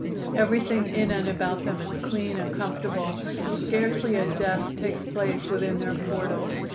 Everything in and about them is clean and comfortable; scarcely a death takes place within their portals.